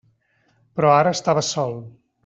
Però ara estava sol.